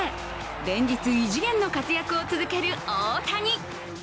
連日、異次元の活躍を続ける大谷。